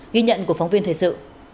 ghi nhận của phóng viên thời sự